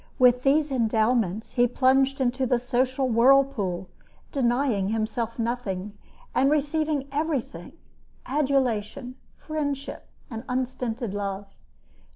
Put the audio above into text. With these endowments, he plunged into the social whirlpool, denying himself nothing, and receiving everything adulation, friendship, and unstinted love.